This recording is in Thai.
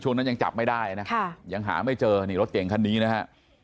นั้นยังจับไม่ได้นะยังหาไม่เจอนี่รถเก่งคันนี้นะฮะ